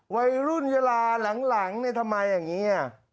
วัยรุ่นเยลาหลังทำไมอย่างนี้